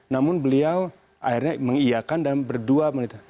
namun beliau akhirnya mengiyakan dalam berdua menit